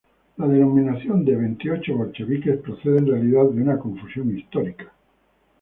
La denominación de "veintiocho bolcheviques" procede en realidad de una confusión histórica.